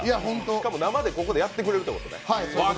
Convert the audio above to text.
しかも生でここでやってくれるということなんだ。